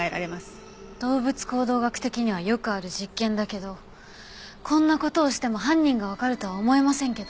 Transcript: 動物行動学的にはよくある実験だけどこんな事をしても犯人がわかるとは思えませんけど。